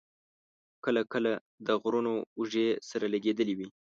کله کله د غرونو اوږې سره لګېدلې وې.